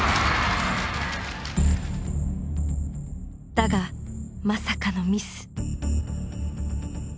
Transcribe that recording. だがまさかのミス。